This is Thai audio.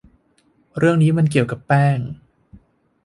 เรื่องนี้มันเกี่ยวกับแป้ง